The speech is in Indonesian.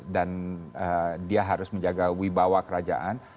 dan dia harus menjaga wibawa kerajaan